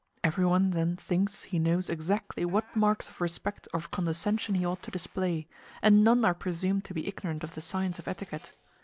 Everyone then thinks he knows exactly what marks of respect or of condescension he ought to display, and none are presumed to be ignorant of the science of etiquette.